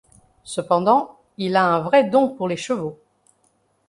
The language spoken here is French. Cependant, il a un vrai don pour les chevaux.